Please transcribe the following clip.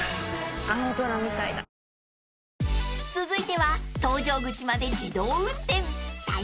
［続いては］